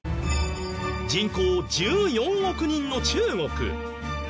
人口１４億人の中国。